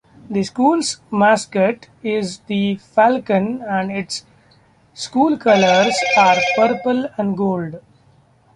The school's mascot is the "Falcon", and its school colors are purple and gold.